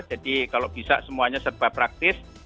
jadi kalau bisa semuanya serba praktis